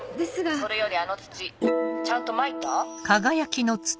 それよりあの土ちゃんとまいた？